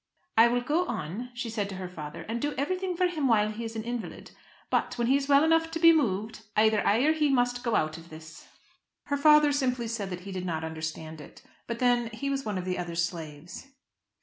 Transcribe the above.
"I will go on," she said to her father, "and do everything for him while he is an invalid. But, when he is well enough to be moved, either he or I must go out of this." Her father simply said that he did not understand it; but then he was one of the other slaves.